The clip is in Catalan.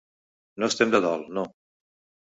No estem de dol, no.